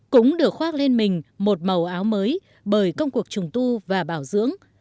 cũng được khoác lên mình một màu áo mới bởi công cuộc trùng tu và bảo dưỡng